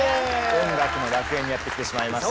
音楽の楽園にやって来てしまいました。